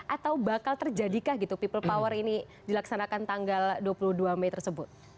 atau bakal terjadikah gitu people power ini dilaksanakan tanggal dua puluh dua mei tersebut